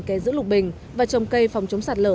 cho mô hình kè giữ lục bình và trồng cây phòng chống sạt lở